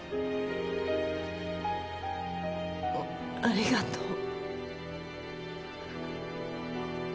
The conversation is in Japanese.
ありがとう。